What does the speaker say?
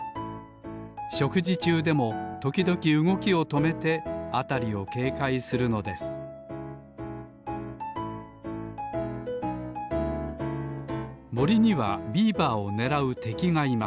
しょくじちゅうでもときどきうごきをとめてあたりをけいかいするのですもりにはビーバーをねらうてきがいま